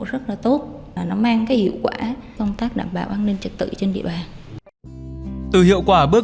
rất là tốt và nó mang cái hiệu quả công tác đảm bảo an ninh trật tự trên địa bàn từ hiệu quả bước